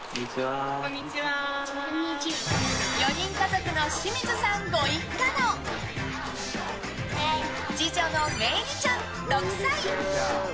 ４人家族の清水さんご一家の次女の萌衣里ちゃん、６歳。